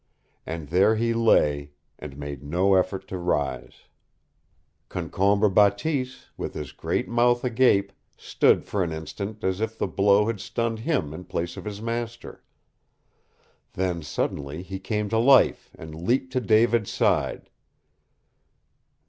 And there he lay, and made no effort to rise. Concombre Bateese, with his great mouth agape, stood for an instant as if the blow had stunned him in place of his master. Then, suddenly he came to life, and leaped to David's side.